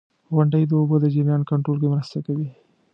• غونډۍ د اوبو د جریان کنټرول کې مرسته کوي.